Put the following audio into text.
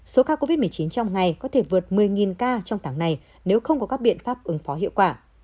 số ca covid một mươi chín trong ngày có thể vượt một mươi ca trong tháng này nếu không có các biện pháp ứng phó hiệu quả